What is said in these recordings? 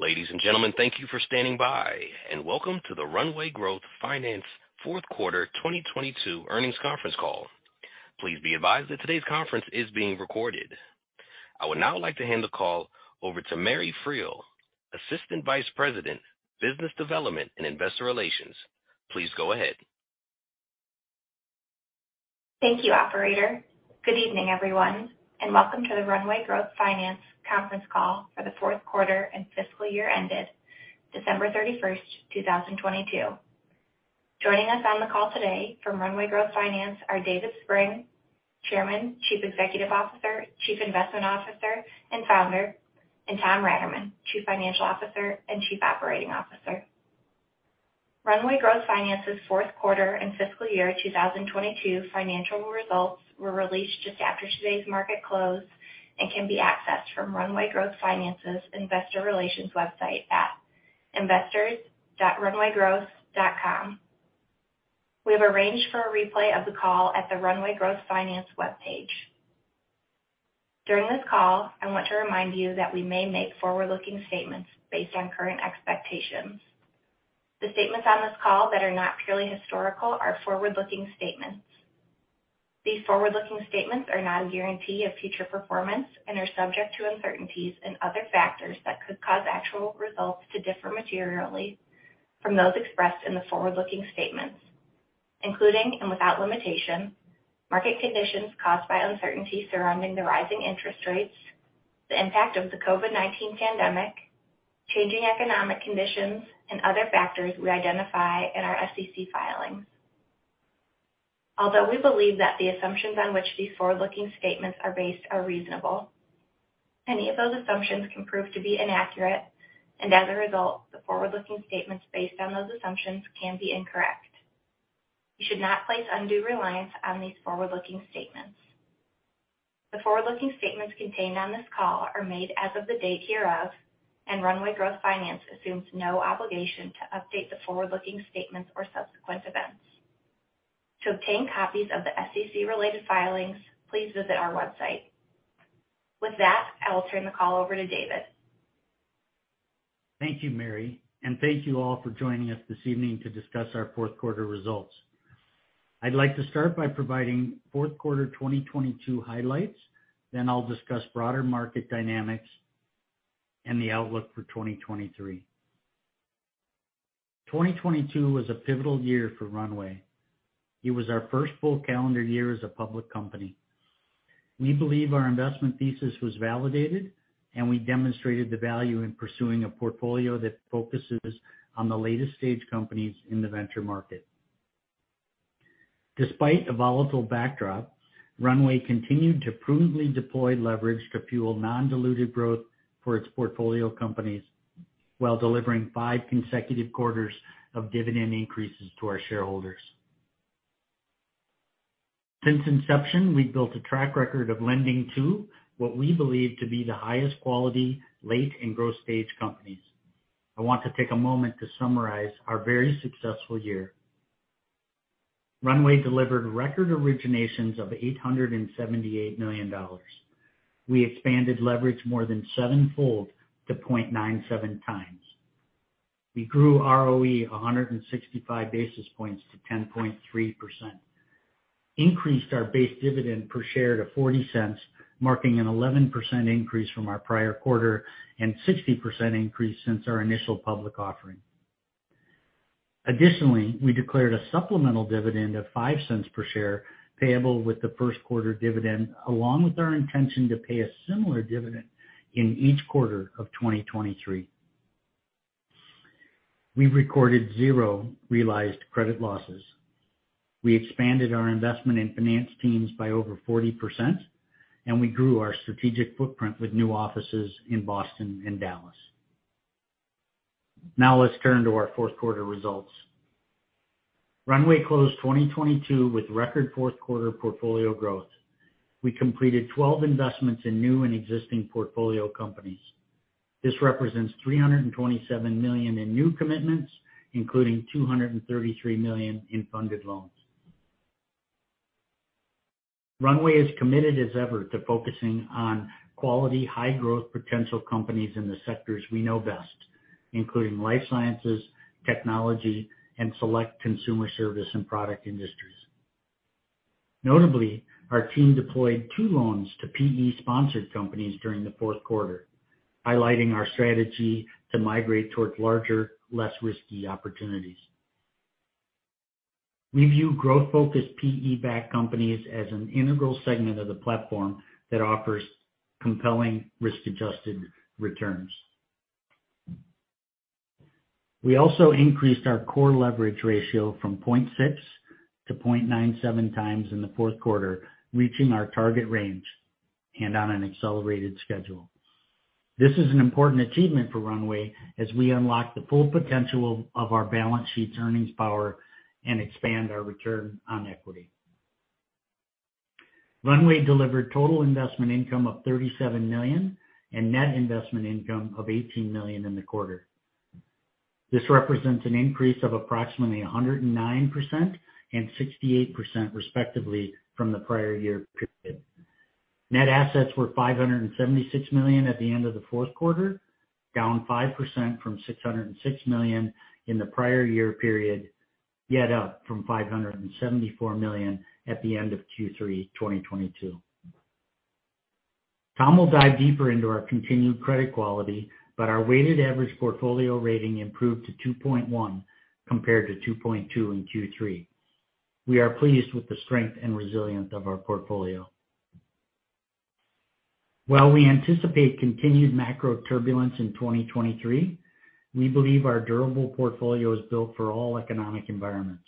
Ladies and gentlemen, thank you for standing by, and welcome to the Runway Growth Finance fourth quarter 2022 earnings conference call. Please be advised that today's conference is being recorded. I would now like to hand the call over to Mary Friel, Assistant Vice President, Business Development and Investor Relations. Please go ahead. Thank you, operator. Good evening, everyone, and welcome to the Runway Growth Finance conference call for the fourth quarter and fiscal year ended December 31st, 2022. Joining us on the call today from Runway Growth Finance are David Spreng, Chairman, Chief Executive Officer, Chief Investment Officer, and Founder, and Tom Raterman, Chief Financial Officer and Chief Operating Officer. Runway Growth Finance's fourth quarter and fiscal year 2022 financial results were released just after today's market close and can be accessed from Runway Growth Finance's investor relations website at investors.runwaygrowth.com. We have arranged for a replay of the call at the Runway Growth Finance webpage. During this call, I want to remind you that we may make forward-looking statements based on current expectations. The statements on this call that are not purely historical are forward-looking statements. These forward-looking statements are not a guarantee of future performance and are subject to uncertainties and other factors that could cause actual results to differ materially from those expressed in the forward-looking statements, including and without limitation, market conditions caused by uncertainty surrounding the rising interest rates, the impact of the COVID-19 pandemic, changing economic conditions, and other factors we identify in our SEC filings. Although we believe that the assumptions on which these forward-looking statements are based are reasonable, any of those assumptions can prove to be inaccurate, and as a result, the forward-looking statements based on those assumptions can be incorrect. You should not place undue reliance on these forward-looking statements. The forward-looking statements contained on this call are made as of the date hereof, and Runway Growth Finance assumes no obligation to update the forward-looking statements or subsequent events. To obtain copies of the SEC-related filings, please visit our website. With that, I will turn the call over to David. Thank you, Mary, and thank you all for joining us this evening to discuss our fourth quarter results. I'd like to start by providing fourth quarter 2022 highlights, then I'll discuss broader market dynamics and the outlook for 2023. 2022 was a pivotal year for Runway. It was our first full calendar year as a public company. We believe our investment thesis was validated, and we demonstrated the value in pursuing a portfolio that focuses on the latest stage companies in the venture market. Despite a volatile backdrop, Runway continued to prudently deploy leverage to fuel non-diluted growth for its portfolio companies while delivering five consecutive quarters of dividend increases to our shareholders. Since inception, we've built a track record of lending to what we believe to be the highest quality late and growth stage companies. I want to take a moment to summarize our very successful year. Runway delivered record originations of $878 million. We expanded leverage more than sevenfold to 0.97x. We grew ROE 165 basis points to 10.3%, increased our base dividend per share to $0.40, marking an 11% increase from our prior quarter and 60% increase since our initial public offering. Additionally, we declared a supplemental dividend of $0.05 per share payable with the first quarter dividend, along with our intention to pay a similar dividend in each quarter of 2023. We recorded zero realized credit losses. We expanded our investment and finance teams by over 40%, and we grew our strategic footprint with new offices in Boston and Dallas. Now let's turn to our fourth quarter results. Runway closed 2022 with record fourth quarter portfolio growth. We completed 12 investments in new and existing portfolio companies. This represents $327 million in new commitments, including $233 million in funded loans. Runway is committed as ever to focusing on quality, high growth potential companies in the sectors we know best, including life sciences, technology, and select consumer service and product industries. Notably, our team deployed two loans to PE-sponsored companies during the fourth quarter, highlighting our strategy to migrate towards larger, less risky opportunities. We view growth-focused PE-backed companies as an integral segment of the platform that offers compelling risk-adjusted returns. We also increased our core leverage ratio from 0.6x to 0.97x in the fourth quarter, reaching our target range and on an accelerated schedule. This is an important achievement for Runway as we unlock the full potential of our balance sheet's earnings power and expand our return on equity. Runway delivered total investment income of $37 million and net investment income of $18 million in the quarter. This represents an increase of approximately 109% and 68% respectively from the prior-year period. Net assets were $576 million at the end of the fourth quarter, down 5% from $606 million in the prior-year period, yet up from $574 million at the end of Q3 2022. Tom will dive deeper into our continued credit quality, but our weighted average portfolio rating improved to 2.1 compared to 2.2 in Q3. We are pleased with the strength and resilience of our portfolio. While we anticipate continued macro turbulence in 2023, we believe our durable portfolio is built for all economic environments.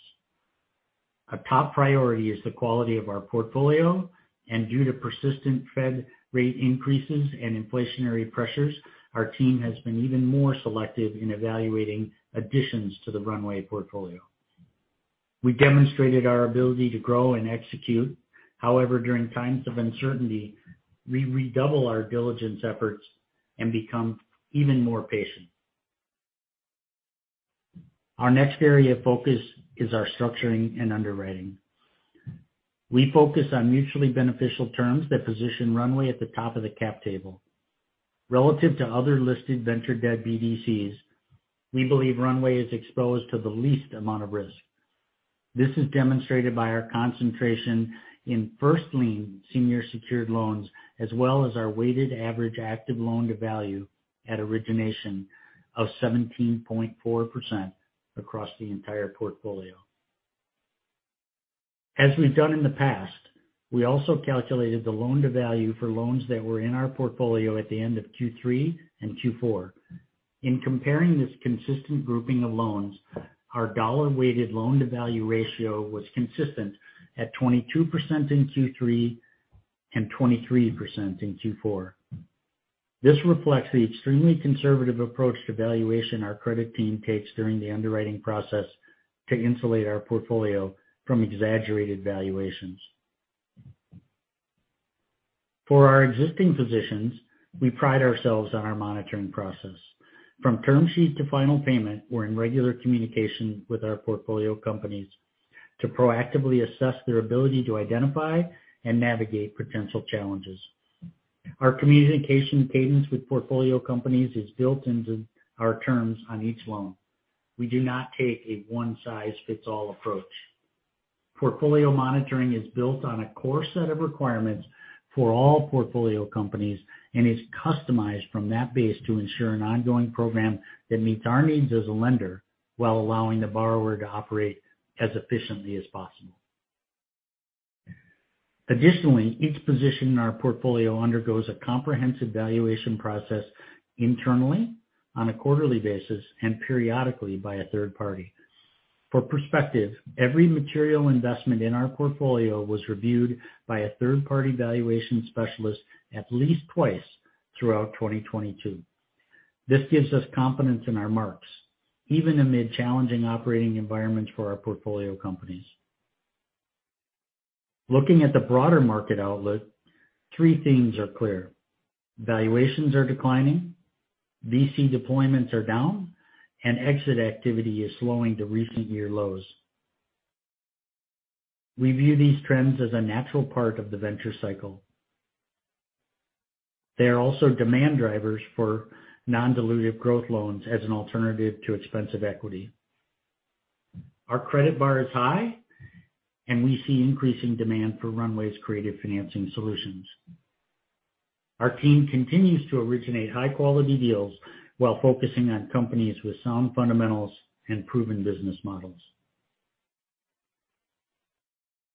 A top priority is the quality of our portfolio, and due to persistent Fed rate increases and inflationary pressures, our team has been even more selective in evaluating additions to the Runway portfolio. We demonstrated our ability to grow and execute. However, during times of uncertainty, we redouble our diligence efforts and become even more patient. Our next area of focus is our structuring and underwriting. We focus on mutually beneficial terms that position Runway at the top of the cap table. Relative to other listed venture debt BDCs, we believe Runway is exposed to the least amount of risk. This is demonstrated by our concentration in first lien senior secured loans, as well as our weighted average active loan-to-value at origination of 17.4% across the entire portfolio. As we've done in the past, we also calculated the loan-to-value for loans that were in our portfolio at the end of Q3 and Q4. In comparing this consistent grouping of loans, our dollar-weighted loan-to-value ratio was consistent at 22% in Q3 and 23% in Q4. This reflects the extremely conservative approach to valuation our credit team takes during the underwriting process to insulate our portfolio from exaggerated valuations. For our existing positions, we pride ourselves on our monitoring process. From term sheet to final payment, we're in regular communication with our portfolio companies to proactively assess their ability to identify and navigate potential challenges. Our communication cadence with portfolio companies is built into our terms on each loan. We do not take a one-size-fits-all approach. Portfolio monitoring is built on a core set of requirements for all portfolio companies and is customized from that base to ensure an ongoing program that meets our needs as a lender while allowing the borrower to operate as efficiently as possible. Additionally, each position in our portfolio undergoes a comprehensive valuation process internally on a quarterly basis and periodically by a third party. For perspective, every material investment in our portfolio was reviewed by a third-party valuation specialist at least twice throughout 2022. This gives us confidence in our marks, even amid challenging operating environments for our portfolio companies. Looking at the broader market outlook, three themes are clear. Valuations are declining, VC deployments are down, and exit activity is slowing to recent year lows. We view these trends as a natural part of the venture cycle. They are also demand drivers for non-dilutive growth loans as an alternative to expensive equity. Our credit bar is high, and we see increasing demand for Runway's creative financing solutions. Our team continues to originate high-quality deals while focusing on companies with sound fundamentals and proven business models.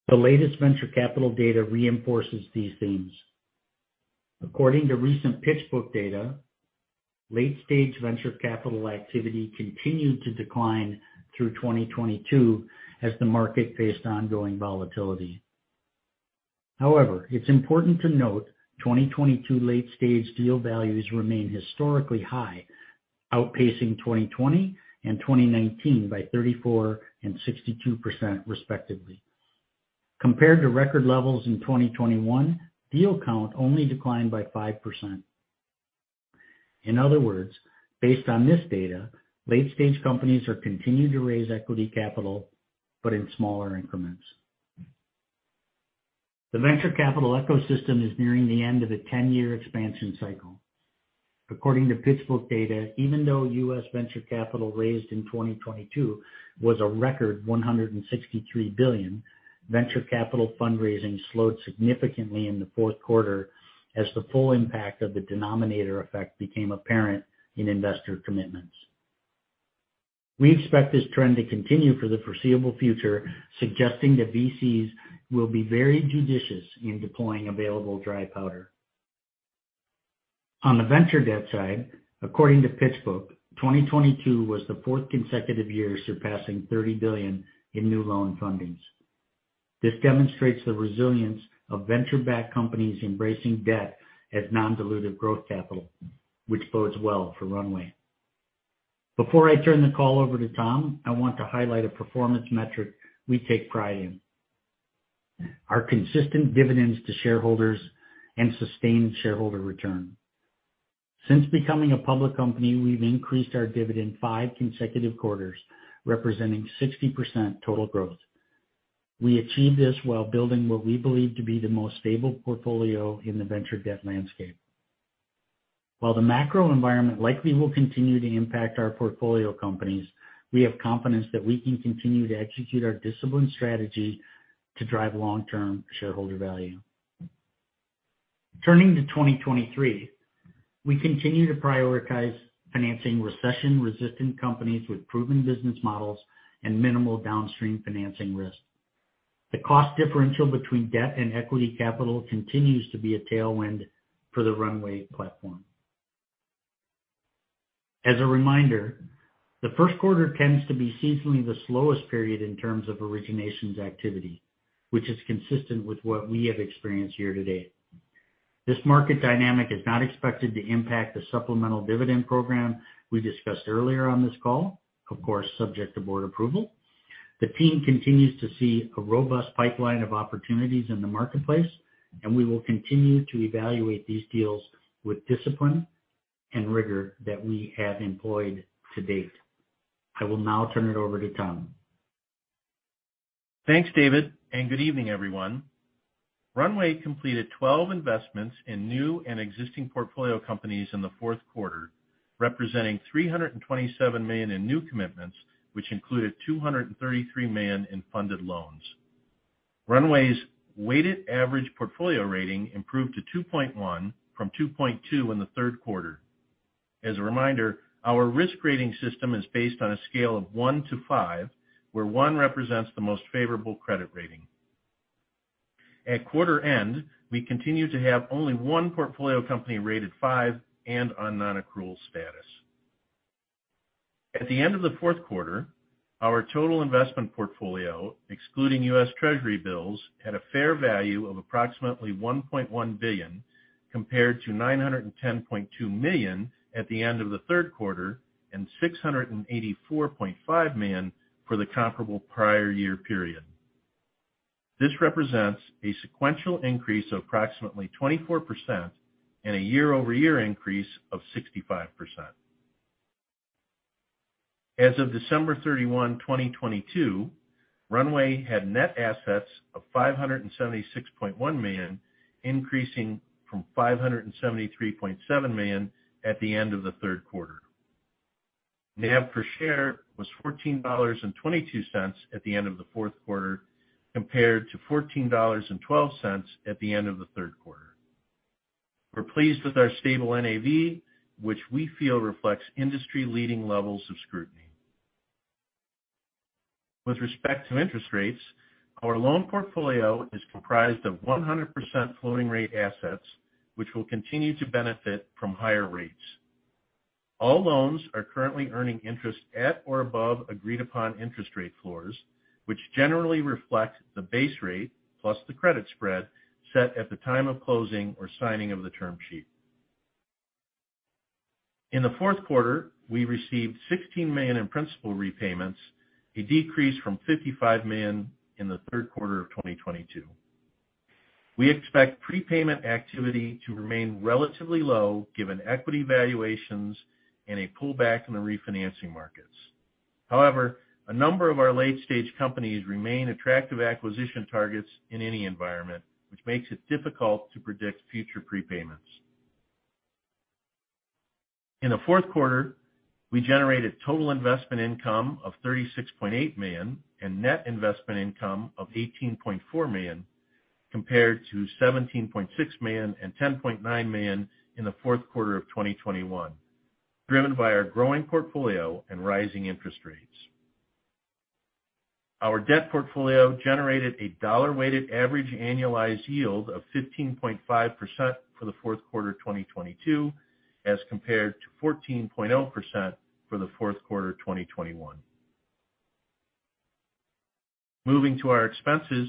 The latest venture capital data reinforces these themes. According to recent PitchBook data, late-stage venture capital activity continued to decline through 2022 as the market faced ongoing volatility. It's important to note 2022 late-stage deal values remain historically high, outpacing 2020 and 2019 by 34% and 62% respectively. Compared to record levels in 2021, deal count only declined by 5%. In other words, based on this data, late-stage companies are continuing to raise equity capital but in smaller increments. The venture capital ecosystem is nearing the end of a 10-year expansion cycle. According to PitchBook data, even though U.S. venture capital raised in 2022 was a record $163 billion, venture capital fundraising slowed significantly in the fourth quarter as the full impact of the denominator effect became apparent in investor commitments. We expect this trend to continue for the foreseeable future, suggesting that VCs will be very judicious in deploying available dry powder. On the venture debt side, according to PitchBook, 2022 was the fourth consecutive year surpassing $30 billion in new loan fundings. This demonstrates the resilience of venture-backed companies embracing debt as non-dilutive growth capital, which bodes well for Runway. Before I turn the call over to Tom, I want to highlight a performance metric we take pride in. Our consistent dividends to shareholders and sustained shareholder return. Since becoming a public company, we've increased our dividend five consecutive quarters, representing 60% total growth. We achieved this while building what we believe to be the most stable portfolio in the venture debt landscape. While the macro environment likely will continue to impact our portfolio companies, we have confidence that we can continue to execute our disciplined strategy to drive long-term shareholder value. Turning to 2023, we continue to prioritize financing recession-resistant companies with proven business models and minimal downstream financing risk. The cost differential between debt and equity capital continues to be a tailwind for the Runway platform. As a reminder, the first quarter tends to be seasonally the slowest period in terms of originations activity, which is consistent with what we have experienced year-to-date. This market dynamic is not expected to impact the supplemental dividend program we discussed earlier on this call, of course, subject to board approval. The team continues to see a robust pipeline of opportunities in the marketplace. We will continue to evaluate these deals with discipline and rigor that we have employed to date. I will now turn it over to Tom. Thanks, David, and good evening, everyone. Runway completed 12 investments in new and existing portfolio companies in the fourth quarter, representing $327 million in new commitments, which included $233 million in funded loans. Runway's weighted average portfolio rating improved to 2.1 from 2.2 in the third quarter. As a reminder, our risk rating system is based on a scale of 1 to 5, where 1 represents the most favorable credit rating. At quarter end, we continue to have only one portfolio company rated 5 and on non-accrual status. At the end of the fourth quarter, our total investment portfolio, excluding U.S. Treasury bills, had a fair value of approximately $1.1 billion, compared to $910.2 million at the end of the third quarter and $684.5 million for the comparable prior-year period. This represents a sequential increase of approximately 24% and a year-over-year increase of 65%. As of December 31, 2022, Runway had net assets of $576.1 million, increasing from $573.7 million at the end of the third quarter. NAV per share was $14.22 at the end of the fourth quarter, compared to $14.12 at the end of the third quarter. We're pleased with our stable NAV, which we feel reflects industry-leading levels of scrutiny. With respect to interest rates, our loan portfolio is comprised of 100% floating-rate assets, which will continue to benefit from higher rates. All loans are currently earning interest at or above agreed-upon interest rate floors, which generally reflect the base rate plus the credit spread set at the time of closing or signing of the term sheet. In the fourth quarter, we received $16 million in principal repayments, a decrease from $55 million in the third quarter of 2022. We expect prepayment activity to remain relatively low given equity valuations and a pullback in the refinancing markets. However, a number of our late-stage companies remain attractive acquisition targets in any environment, which makes it difficult to predict future prepayments. In the fourth quarter, we generated total investment income of $36.8 million and net investment income of $18.4 million, compared to $17.6 million and $10.9 million in the fourth quarter of 2021, driven by our growing portfolio and rising interest rates. Our debt portfolio generated a dollar-weighted average annualized yield of 15.5% for the fourth quarter of 2022, as compared to 14.0% for the fourth quarter of 2021. Moving to our expenses.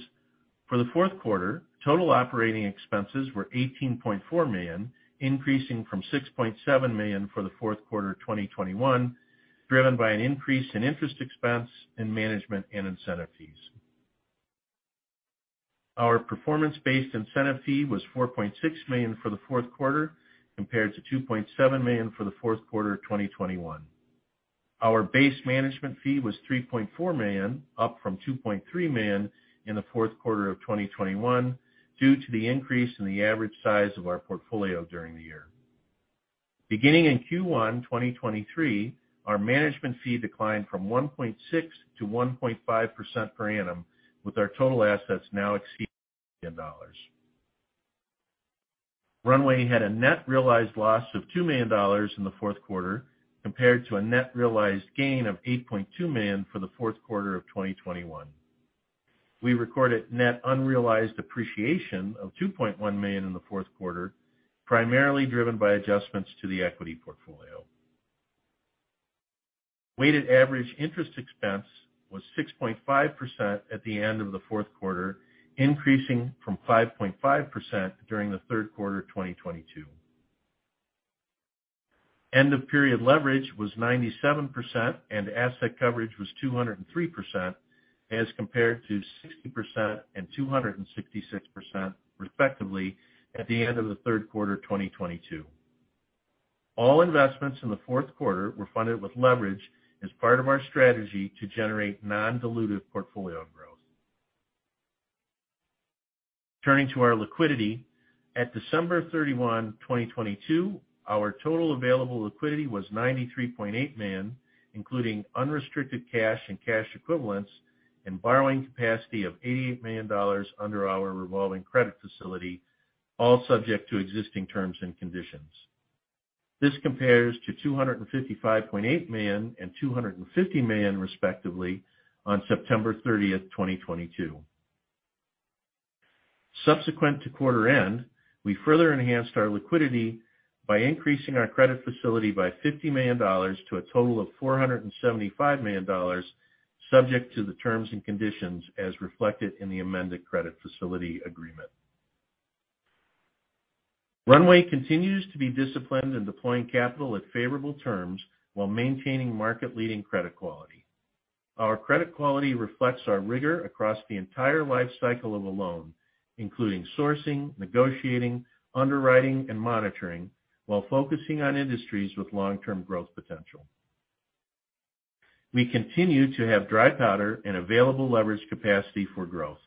For the fourth quarter, total operating expenses were $18.4 million, increasing from $6.7 million for the fourth quarter of 2021, driven by an increase in interest expense in management and incentive fees. Our performance-based incentive fee was $4.6 million for the fourth quarter, compared to $2.7 million for the fourth quarter of 2021. Our base management fee was $3.4 million, up from $2.3 million in the fourth quarter of 2021 due to the increase in the average size of our portfolio during the year. Beginning in Q1 2023, our management fee declined from 1.6% to 1.5% per annum, with our total assets now exceeding $1 billion. Runway had a net realized loss of $2 million in the fourth quarter, compared to a net realized gain of $8.2 million for the fourth quarter of 2021. We recorded net unrealized appreciation of $2.1 million in the fourth quarter, primarily driven by adjustments to the equity portfolio. Weighted average interest expense was 6.5% at the end of the fourth quarter, increasing from 5.5% during the third quarter of 2022. End of period leverage was 97% and asset coverage was 203% as compared to 60% and 266%, respectively, at the end of the third quarter 2022. All investments in the fourth quarter were funded with leverage as part of our strategy to generate non-dilutive portfolio growth. Turning to our liquidity. At December 31, 2022, our total available liquidity was $93.8 million, including unrestricted cash and cash equivalents and borrowing capacity of $88 million under our revolving credit facility, all subject to existing terms and conditions. This compares to $255.8 million and $250 million, respectively, on September 30th, 2022. Subsequent to quarter end, we further enhanced our liquidity by increasing our credit facility by $50 million to a total of $475 million, subject to the terms and conditions as reflected in the amended credit facility agreement. Runway continues to be disciplined in deploying capital at favorable terms while maintaining market-leading credit quality. Our credit quality reflects our rigor across the entire life cycle of a loan, including sourcing, negotiating, underwriting, and monitoring, while focusing on industries with long-term growth potential. We continue to have dry powder and available leverage capacity for growth.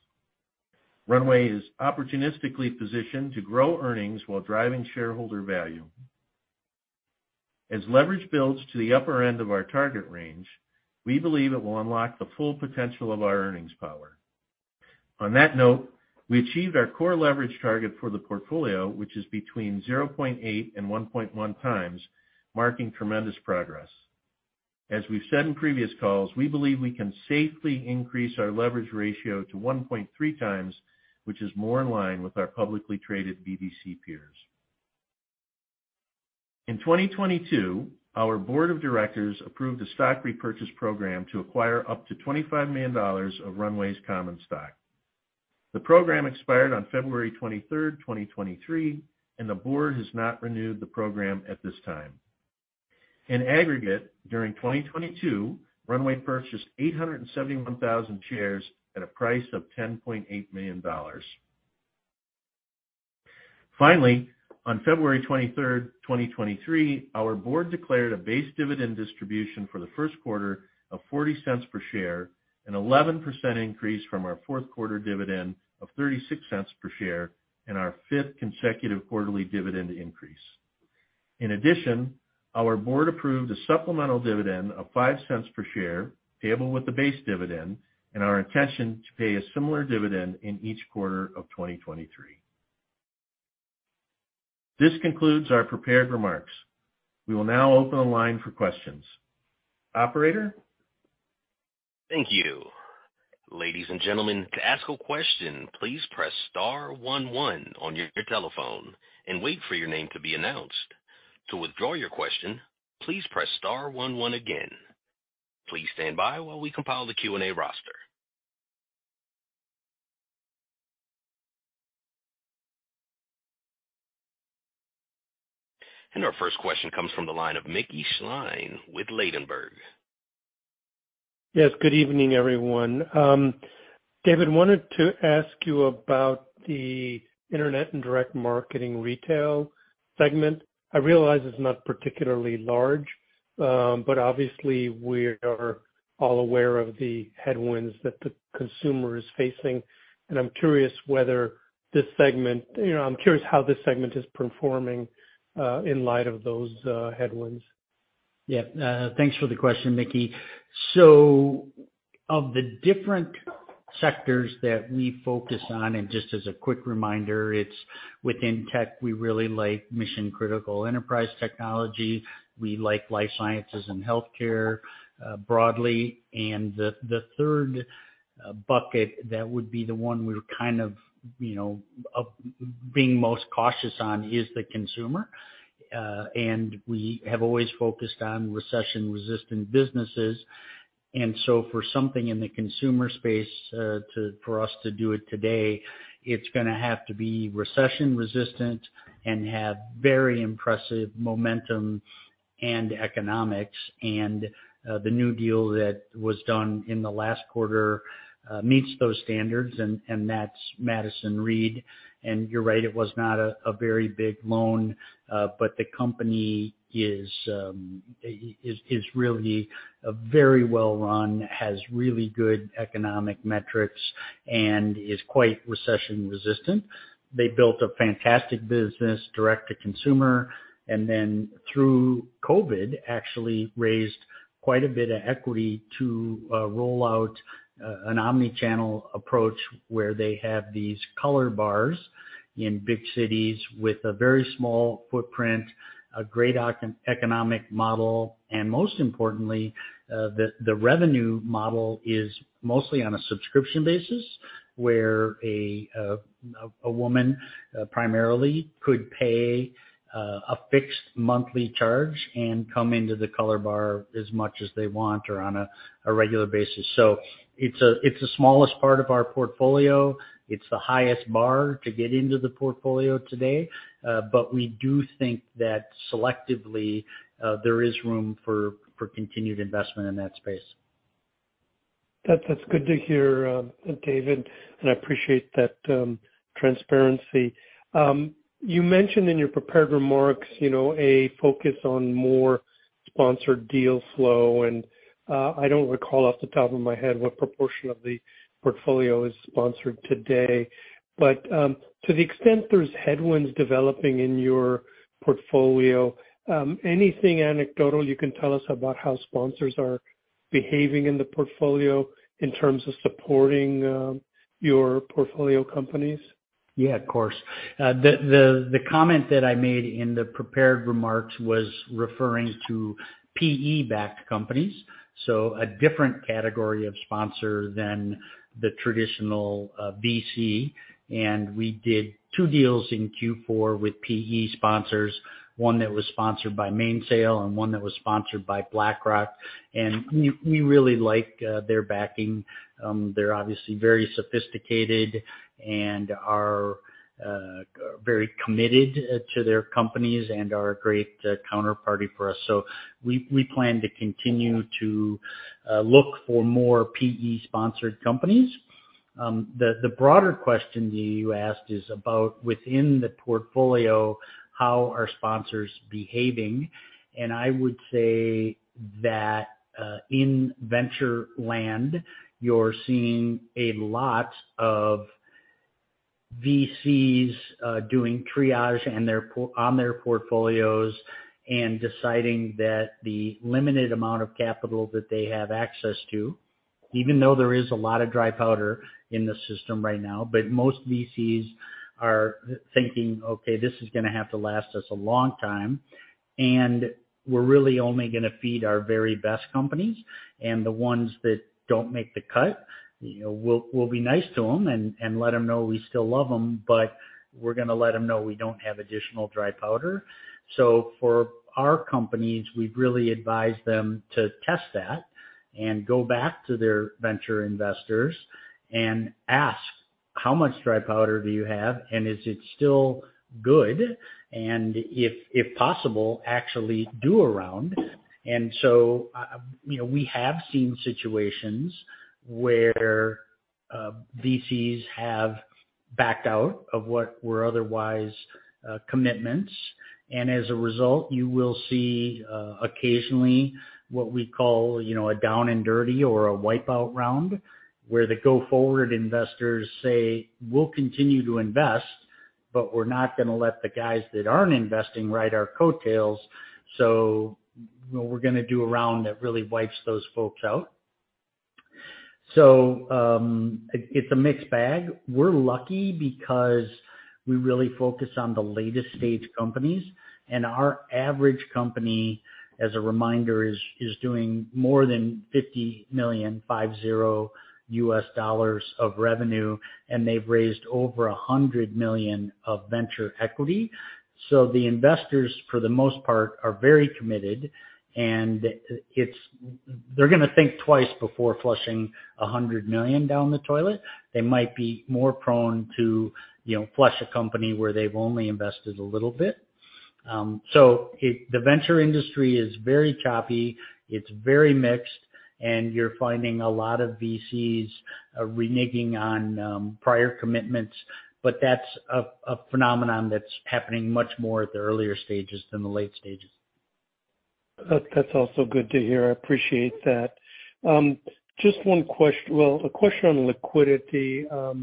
Runway is opportunistically positioned to grow earnings while driving shareholder value. As leverage builds to the upper end of our target range, we believe it will unlock the full potential of our earnings power. On that note, we achieved our core leverage target for the portfolio, which is between 0.8x and 1.1x, marking tremendous progress. As we've said in previous calls, we believe we can safely increase our leverage ratio to 1.3x, which is more in line with our publicly traded BDC peers. In 2022, our Board of Directors approved a stock repurchase program to acquire up to $25 million of Runway's common stock. The program expired on February 23rd, 2023, and the Board has not renewed the program at this time. In aggregate, during 2022, Runway purchased 871,000 shares at a price of $10.8 million. On February 23, 2023, our board declared a base dividend distribution for the first quarter of $0.40 per share, an 11% increase from our fourth quarter dividend of $0.36 per share, and our fifth consecutive quarterly dividend increase. Our board approved a supplemental dividend of $0.05 per share, payable with the base dividend, and our intention to pay a similar dividend in each quarter of 2023. This concludes our prepared remarks. We will now open the line for questions. Operator? Thank you. Ladies and gentlemen, to ask a question, please press star one one on your telephone and wait for your name to be announced. To withdraw your question, please press star one one again. Please stand by while we compile the Q&A roster. Our first question comes from the line of Mickey Schleien with Ladenburg Thalmann. Yes, good evening, everyone. David, wanted to ask you about the internet and direct marketing retail segment. I realize it's not particularly large, obviously we are all aware of the headwinds that the consumer is facing. You know, I'm curious how this segment is performing in light of those headwinds. Yeah. Thanks for the question, Mickey. Of the different sectors that we focus on, and just as a quick reminder, it's within tech, we really like mission-critical enterprise technology. We like life sciences and healthcare, broadly. The, the third bucket, that would be the one we're kind of, you know, being most cautious on is the consumer. We have always focused on recession-resistant businesses. For something in the consumer space, for us to do it today, it's gonna have to be recession-resistant and have very impressive momentum and economics. The new deal that was done in the last quarter, meets those standards, and that's Madison Reed. You're right, it was not a very big loan, but the company is really very well run, has really good economic metrics and is quite recession resistant. They built a fantastic business direct to consumer, through COVID-19, actually raised quite a bit of equity to roll out an omni-channel approach where they have these color bars in big cities with a very small footprint, a great economic model, and most importantly, the revenue model is mostly on a subscription basis, where a woman primarily could pay a fixed monthly charge and come into the color bar as much as they want or on a regular basis. It's the smallest part of our portfolio. It's the highest bar to get into the portfolio today. We do think that selectively, there is room for continued investment in that space. That's good to hear, David. I appreciate that transparency. You mentioned in your prepared remarks, you know, a focus on more sponsored deal flow and I don't recall off the top of my head what proportion of the portfolio is sponsored today, but to the extent there's headwinds developing in your portfolio, anything anecdotal you can tell us about how sponsors are behaving in the portfolio in terms of supporting your portfolio companies? Yeah, of course. The comment that I made in the prepared remarks was referring to PE-backed companies, so a different category of sponsor than the traditional VC. We did two deals in Q4 with PE sponsors, one that was sponsored by Mainsail and one that was sponsored by BlackRock. We really like their backing. They're obviously very sophisticated and are very committed to their companies and are a great counterparty for us. We plan to continue to look for more PE-sponsored companies. The broader question you asked is about within the portfolio, how are sponsors behaving? I would say that, in venture land, you're seeing a lot of VCs doing triage on their portfolios and deciding that the limited amount of capital that they have access to, even though there is a lot of dry powder in the system right now, but most VCs are thinking, "Okay, this is gonna have to last us a long time, and we're really only gonna feed our very best companies, and the ones that don't make the cut, you know, we'll be nice to 'em and let 'em know we still love 'em, but we're gonna let 'em know we don't have additional dry powder." For our companies, we've really advised them to test that and go back to their venture investors and ask, "How much dry powder do you have, and is it still good? If, if possible, actually do a round." You know, we have seen situations where VCs have backed out of what were otherwise commitments. As a result, you will see occasionally what we call, you know, a down and dirty or a wipe out round, where the go-forward investors say, "We'll continue to invest, but we're not gonna let the guys that aren't investing ride our coattails. We're gonna do a round that really wipes those folks out." It's a mixed bag. We're lucky because we really focus on the latest-stage companies, and our average company, as a reminder, is doing more than $50 million of revenue, and they've raised over $100 million of venture equity. The investors, for the most part, are very committed, and they're gonna think twice before flushing $100 million down the toilet. They might be more prone to, you know, flush a company where they've only invested a little bit. So the venture industry is very choppy, it's very mixed, and you're finding a lot of VCs, reneging on, prior commitments, but that's a phenomenon that's happening much more at the earlier stages than the late stages. That's also good to hear. I appreciate that. just one question on liquidity. I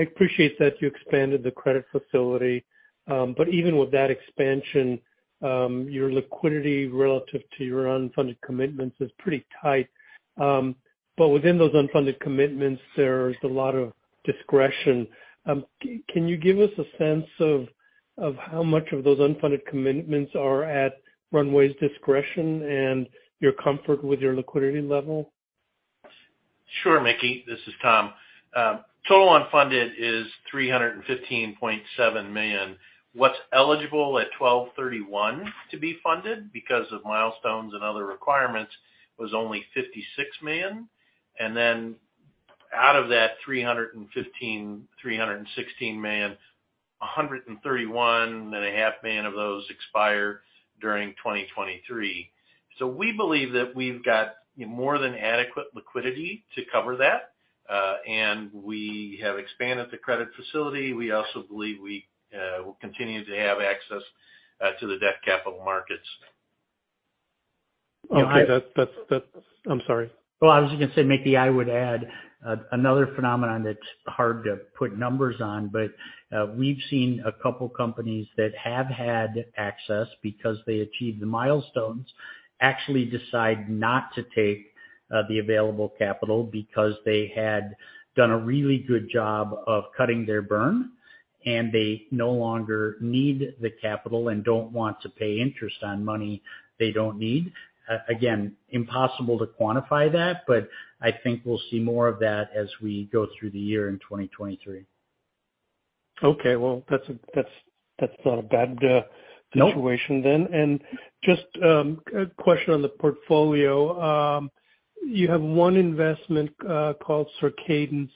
appreciate that you expanded the credit facility, Even with that expansion, your liquidity relative to your unfunded commitments is pretty tight. Within those unfunded commitments, there's a lot of discretion. can you give us a sense of how much of those unfunded commitments are at Runway's discretion and your comfort with your liquidity level? Sure, Mickey. This is Tom. Total unfunded is $315.7 million. What's eligible at 12/31 to be funded because of milestones and other requirements was only $56 million. Out of that $316 million, $131.5 million of those expire during 2023. We believe that we've got more than adequate liquidity to cover that, and we have expanded the credit facility. We also believe we will continue to have access to the debt capital markets. Okay. That's—I'm sorry. Well, I was just gonna say, Mickey, I would add another phenomenon that's hard to put numbers on, but we've seen a couple companies that have had access because they achieved the milestones, actually decide not to take the available capital because they had done a really good job of cutting their burn, and they no longer need the capital and don't want to pay interest on money they don't need. Again, impossible to quantify that, but I think we'll see more of that as we go through the year in 2023. Okay. Well, that's not a bad— Nope. Situation then. Just a question on the portfolio. You have one investment called Circadence.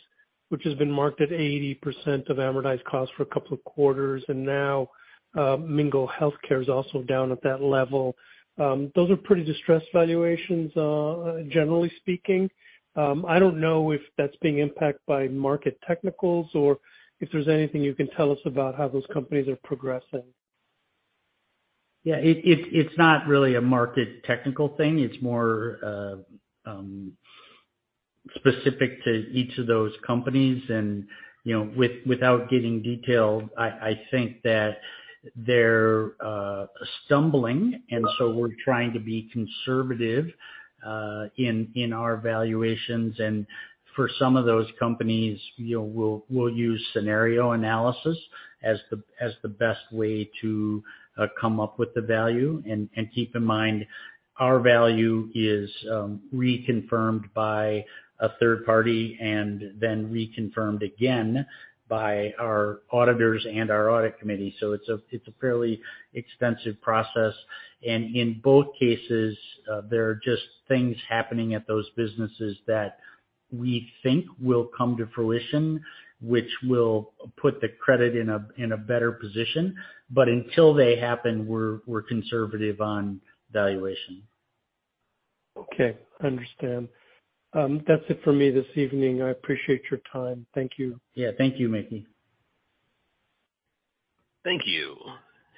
Which has been marked at 80% of amortized cost for a couple of quarters, and now Mingle Healthcare is also down at that level. Those are pretty distressed valuations, generally speaking. I don't know if that's being impacted by market technicals or if there's anything you can tell us about how those companies are progressing. Yeah, it's not really a market technical thing. It's more specific to each of those companies. You know, without getting detailed, I think that they're stumbling. We're trying to be conservative in our valuations. For some of those companies, you know, we'll use scenario analysis as the best way to come up with the value. Keep in mind, our value is reconfirmed by a third party and then reconfirmed again by our auditors and our audit committee. It's a fairly extensive process. In both cases, there are just things happening at those businesses that we think will come to fruition, which will put the credit in a better position. Until they happen, we're conservative on valuation. Understand. That's it for me this evening. I appreciate your time. Thank you. Yeah, thank you, Mickey. Thank you.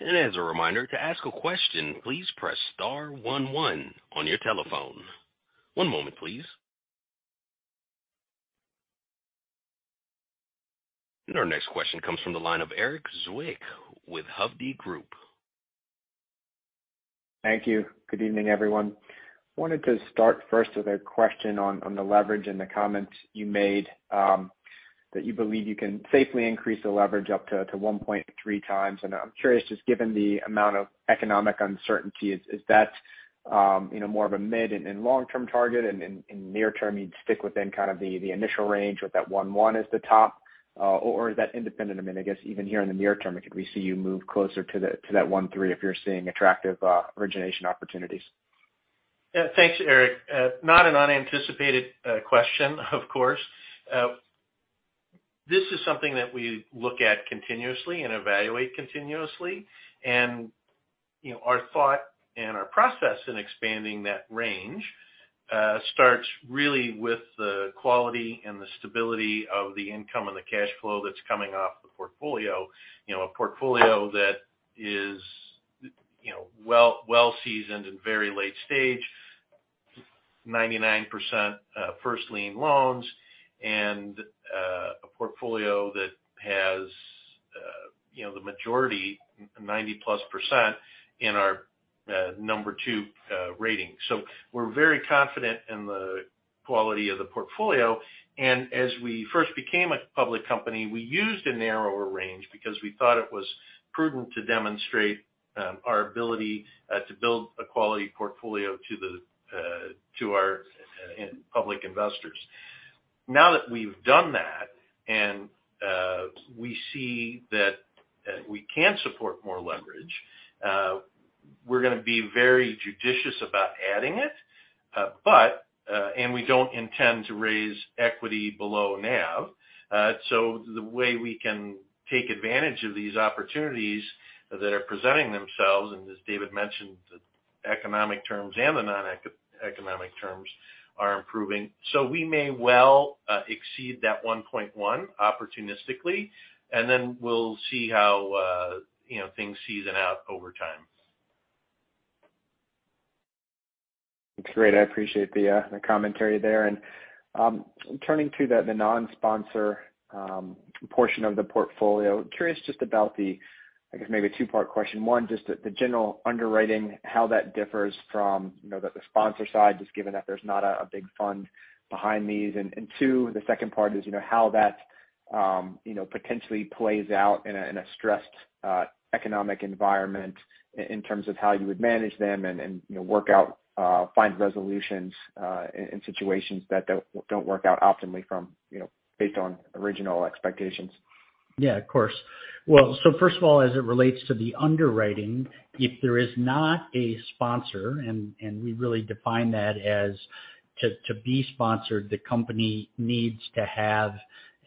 As a reminder, to ask a question, please press star one one on your telephone. One moment, please. Our next question comes from the line of Erik Zwick with Hovde Group. Thank you. Good evening, everyone. Wanted to start first with a question on the leverage and the comments you made that you believe you can safely increase the leverage up to 1.3x. I'm curious, just given the amount of economic uncertainty, is that, you know, more of a mid and long-term target? Near-term you'd stick within kind of the initial range with that 1.1x as the top? Is that independent? I mean, I guess even here in the near term, could we see you move closer to that 1.3x if you're seeing attractive origination opportunities? Yeah. Thanks, Erik. Not an unanticipated question, of course. This is something that we look at continuously and evaluate continuously. You know, our thought and our process in expanding that range starts really with the quality and the stability of the income and the cash flow that's coming off the portfolio. You know, a portfolio that is, you know, well seasoned and very late stage, 99% first lien loans and a portfolio that has, you know, the majority, 90%+ in our number 2 rating. We're very confident in the quality of the portfolio. As we first became a public company, we used a narrower range because we thought it was prudent to demonstrate our ability to build a quality portfolio to the to our public investors. Now that we've done that and, we see that, we can support more leverage, we're gonna be very judicious about adding it. We don't intend to raise equity below NAV. The way we can take advantage of these opportunities that are presenting themselves, and as David mentioned, the economic terms and the non-economic terms are improving. We may well, exceed that 1.1x opportunistically, and then we'll see how, you know, things season out over time. That's great. I appreciate the commentary there. Turning to the non-sponsor, portion of the portfolio. Curious just about the, I guess maybe a two-part question. One, just the general underwriting, how that differs from, you know, the sponsor side, just given that there's not a big fund behind these. Two, the second part is, you know, how that, you know, potentially plays out in a, in a stressed, economic environment in terms of how you would manage them and, you know, work out, find resolutions, in situations that don't work out optimally from, you know, based on original expectations. Yeah, of course. First of all, as it relates to the underwriting, if there is not a sponsor, and we really define that as to be sponsored, the company needs to have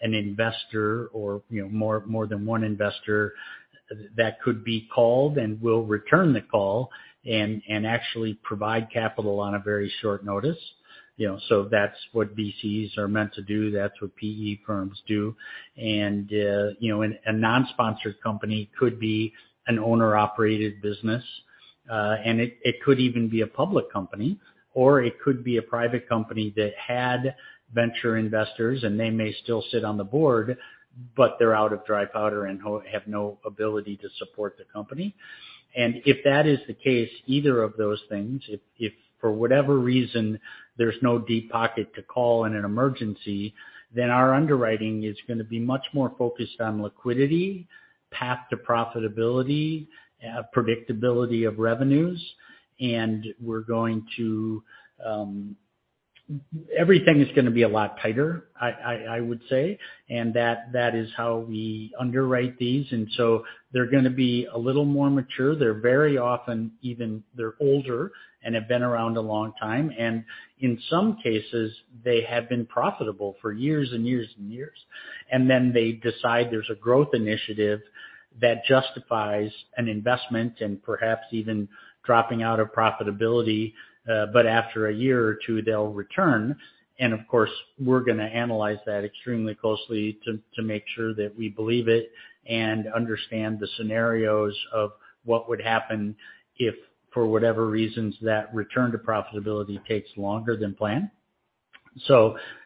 an investor or, you know, more than one investor that could be called and will return the call and actually provide capital on a very short notice. You know, that's what VCs are meant to do. That's what PE firms do. You know, and a non-sponsored company could be an owner-operated business, and it could even be a public company, or it could be a private company that had venture investors, and they may still sit on the board, but they're out of dry powder and have no ability to support the company. If that is the case, either of those things, if for whatever reason, there's no deep pocket to call in an emergency, then our underwriting is going to be much more focused on liquidity, path to profitability, predictability of revenues. We're going to. Everything is going to be a lot tighter, I would say. That is how we underwrite these. They're going to be a little more mature. They're very often, they're older and have been around a long time. In some cases, they have been profitable for years and years and years. Then they decide there's a growth initiative that justifies an investment and perhaps even dropping out of profitability. After a year or two, they'll return. Of course, we're gonna analyze that extremely closely to make sure that we believe it and understand the scenarios of what would happen if, for whatever reasons, that return to profitability takes longer than planned.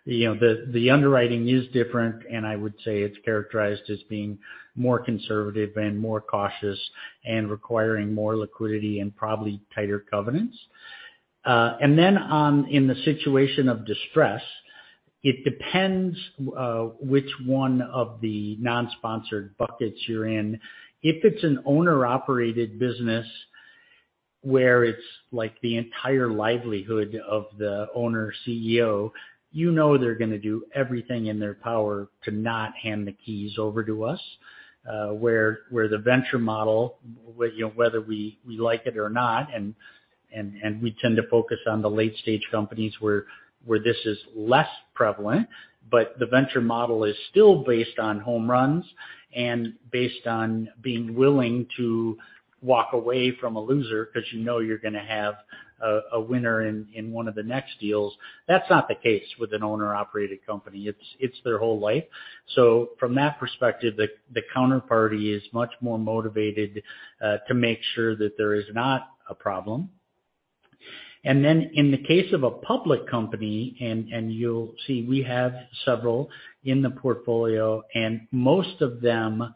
You know, the underwriting is different and I would say it's characterized as being more conservative and more cautious and requiring more liquidity and probably tighter covenants. In the situation of distress, it depends, which one of the non-sponsored buckets you're in. If it's an owner-operated business where it's like the entire livelihood of the owner/CEO, you know they're gonna do everything in their power to not hand the keys over to us. Where the venture model, you know, whether we like it or not, and we tend to focus on the late-stage companies where this is less prevalent. The venture model is still based on home runs and based on being willing to walk away from a loser 'cause you know you're gonna have a winner in one of the next deals. That's not the case with an owner-operated company. It's their whole life. From that perspective, the counterparty is much more motivated to make sure that there is not a problem. In the case of a public company, and you'll see we have several in the portfolio, and most of them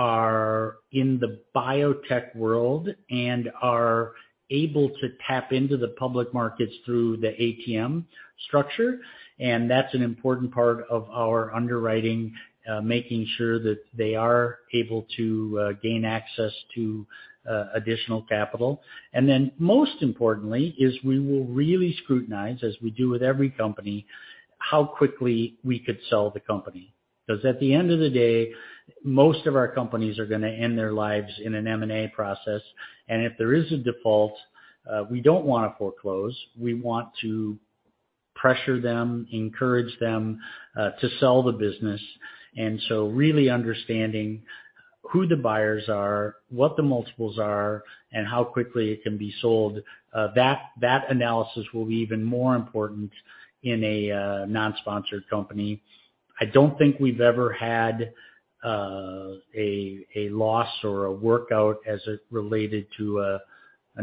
are in the biotech world and are able to tap into the public markets through the ATM structure. That's an important part of our underwriting, making sure that they are able to gain access to additional capital. Most importantly is we will really scrutinize as we do with every company, how quickly we could sell the company. Because at the end of the day, most of our companies are gonna end their lives in an M&A process. If there is a default, we don't wanna foreclose. We want to pressure them, encourage them to sell the business. Really understanding who the buyers are, what the multiples are, and how quickly it can be sold, that analysis will be even more important in a non-sponsored company. I don't think we've ever had a loss or a workout as it related to a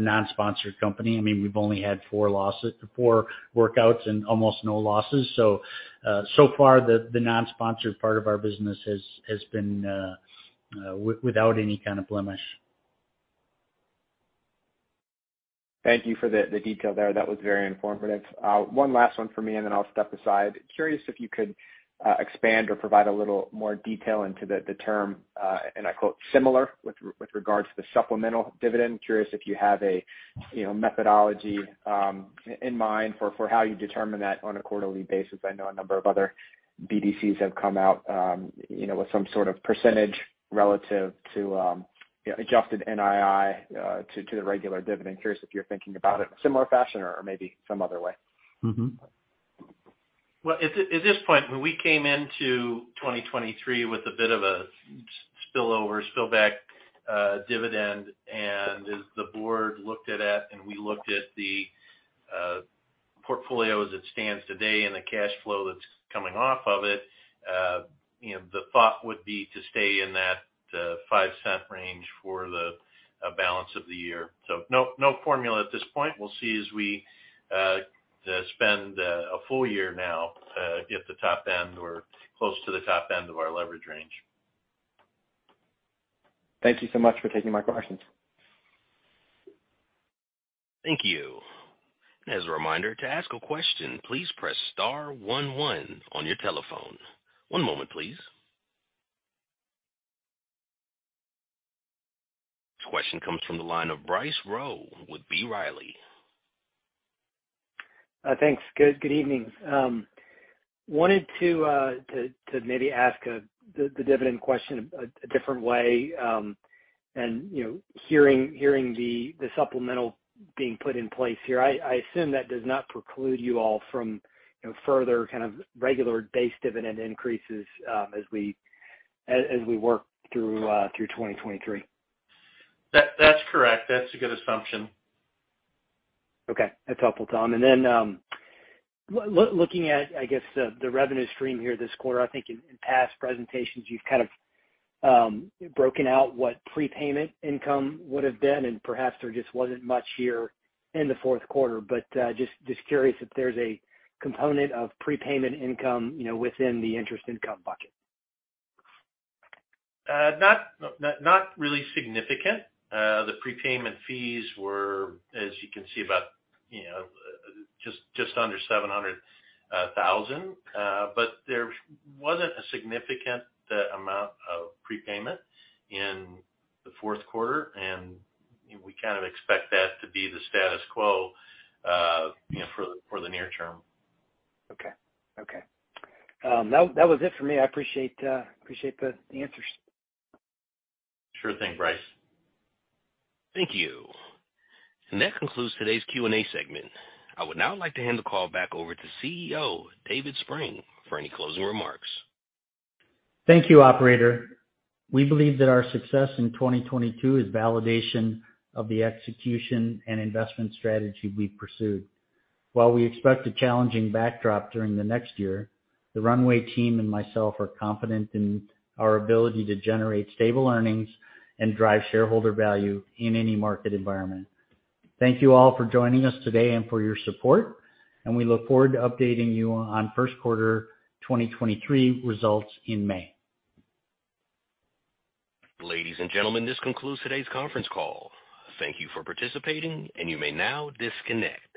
non-sponsored company. I mean, we've only had four losses, four workouts and almost no losses. So far, the non-sponsored part of our business has been without any kind of blemish. Thank you for the detail there. That was very informative. One last one for me, and then I'll step aside. Curious if you could expand or provide a little more detail into the term, and I quote, "Similar with regards to the supplemental dividend." Curious if you have a, you know, methodology in mind for how you determine that on a quarterly basis. I know a number of other BDCs have come out, you know, with some sort of percentage relative to, you know, adjusted NII, to the regular dividend. Curious if you're thinking about it in similar fashion or maybe some other way? Mm-hmm. Well, at this point, when we came into 2023 with a bit of a spillover, spillback dividend, and as the board looked at that and we looked at the portfolio as it stands today and the cash flow that's coming off of it, you know, the thought would be to stay in that $0.05 range for the balance of the year. No formula at this point. We'll see as we spend a full year now at the top end or close to the top end of our leverage range. Thank you so much for taking my questions. Thank you. As a reminder, to ask a question, please press star one one on your telephone. One moment please. This question comes from the line of Bryce Rowe with B. Riley. Thanks. Good evening. Wanted to maybe ask the dividend question a different way. And, you know, hearing the supplemental being put in place here, I assume that does not preclude you all from, you know, further kind of regular base dividend increases as we work through 2023. That's correct. That's a good assumption. Okay. That's helpful, Tom. Looking at, I guess the revenue stream here this quarter, I think in past presentations, you've kind of, broken out what prepayment income would have been, and perhaps there just wasn't much here in the fourth quarter. Just curious if there's a component of prepayment income, you know, within the interest income bucket. Not really significant. The prepayment fees were, as you can see, about, you know, just under $700,000. There wasn't a significant amount of prepayment in the fourth quarter, and, you know, we kind of expect that to be the status quo, you know, for the near term. Okay. Okay. That was it for me. I appreciate the answers. Sure thing, Bryce. Thank you. That concludes today's Q&A segment. I would now like to hand the call back over to CEO, David Spreng, for any closing remarks. Thank you, operator. We believe that our success in 2022 is validation of the execution and investment strategy we pursued. While we expect a challenging backdrop during the next year, the Runway team and myself are confident in our ability to generate stable earnings and drive shareholder value in any market environment. Thank you all for joining us today and for your support, and we look forward to updating you on first quarter 2023 results in May. Ladies and gentlemen, this concludes today's conference call. Thank you for participating, and you may now disconnect.